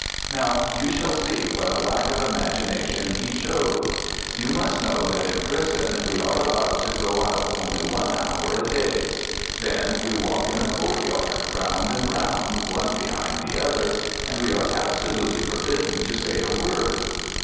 Now, you shall see what a lack of imagination he showed. You must know that in prison we are allowed to go out only one hour a day; then, we walk in a courtyard, round and round, one behind the other, and we are absolutely forbidden to say a word.